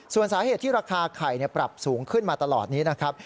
ส่วนสาเหตุที่ราคาไข่ปรับสูงขึ้นมาตลอดนี้นะครับ